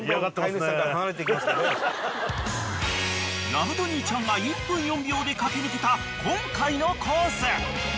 ［ラブトニーちゃんが１分４秒で駆け抜けた今回のコース］